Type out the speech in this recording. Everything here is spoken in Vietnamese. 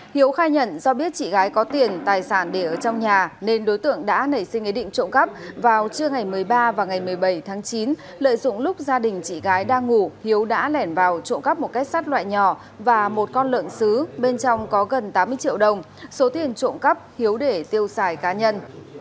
hiếu khai nhận do biết chị gái có tiền tài sản để ở trong nhà nên đối tượng đã nảy sinh ý định trộm cắp vào trưa ngày một mươi ba và ngày một mươi bảy tháng chín lợi dụng lúc gia đình chị gái đang ngủ hiếu đã lẻn vào trộm cắp một cái sắt loại nhỏ và một con lợn xứ bên trong có gần tám mươi triệu đồng số tiền trộm cắp hiếu để tiêu xài cá nhân